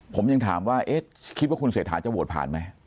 ผมยังถามว่าเอ๊ะคิดว่าคุณเศรษฐาจะโหวตผ่านไหม